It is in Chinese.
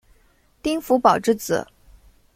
丁福保之子。